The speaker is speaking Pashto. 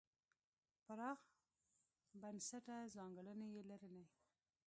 پراخ بنسټه ځانګړنې یې لرلې.